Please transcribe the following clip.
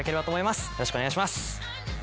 よろしくお願いします。